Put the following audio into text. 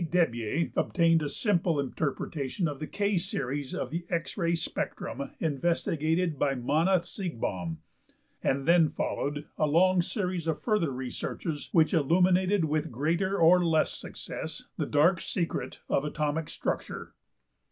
~Debye obtained a simple interpretation of the K series(39) of the X ray spectrum investigated by Manne Siegbahn, and then followed a long series of further researches which illuminated with greater or less success the dark secret of atomic structure.